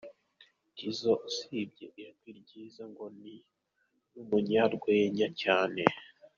Tizzo : Usibye ijwi ryiza, ngo ni n’umunyarwenya cyane.